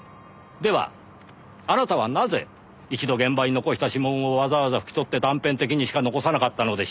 ではあなたはなぜ一度現場に残した指紋をわざわざ拭き取って断片的にしか残さなかったのでしょう。